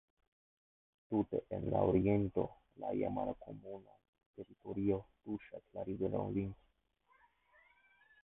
Tute en la oriento la iama komunuma teritorio tuŝas la riveron Linth.